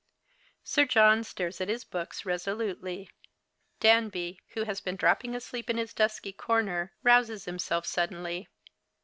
8ir John stares at his books resolutely. Danby (icho has been dropping asleep in his dushij corner, rouses himself suddenly).